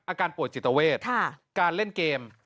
อาการป่วยจิตเวทการเล่นเกม